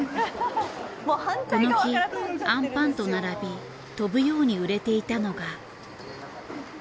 この日あんぱんと並び飛ぶように売れていたのが。